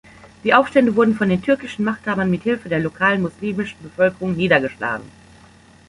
Die Aufstände wurden von den türkischen Machthabern mit Hilfe der lokalen muslimische Bevölkerung niedergeschlagen.